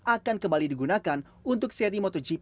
akan kembali digunakan untuk seri motogp dua ribu dua puluh dua